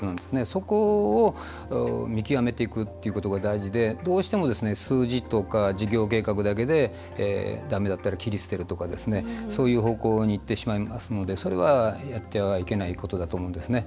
そこを見極めていくっていうことが大事でどうしても数字とか事業計画だけでだめだったら切り捨てるとかそういう方向にいってしまいますのでそれはやってはいけないことだと思うんですね。